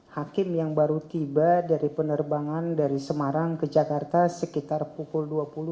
hakim yang baru tiba dari penerbangan dari semarang ke jakarta sekitar pukul dua puluh